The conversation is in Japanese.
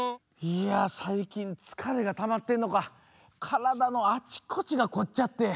いやさいきんつかれがたまってるのかからだのあちこちがこっちゃって。